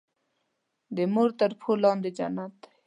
د مور تر پښو لاندې جنت دی.